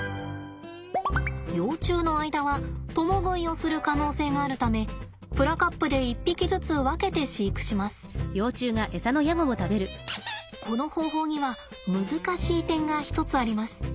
幼虫の間は共食いをする可能性があるためプラカップでこの方法には難しい点が一つあります。